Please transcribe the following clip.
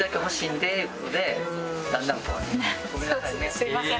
すいません。